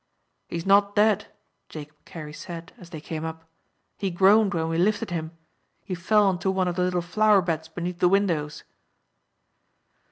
"He is not dead," Jacob Carey said, as they came up, "he groaned when we lifted him; he fell on to one of the little flower beds between the windows."